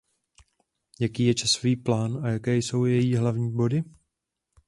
Jaký je časový plán a jaké jsou její hlavní body?